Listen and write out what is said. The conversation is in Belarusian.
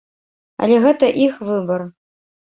Але гэта іх выбар.